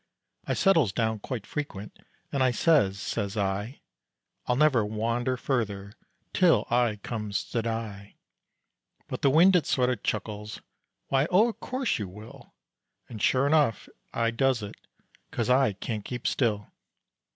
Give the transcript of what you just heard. I settles down quite frequent and I says, says I, "I'll never wander further till I comes to die." But the wind it sorta chuckles, "Why, o' course you will," And shure enough I does it, cause I can't keep still.